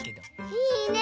いいね！